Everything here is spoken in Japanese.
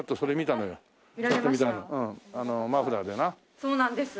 そうなんです！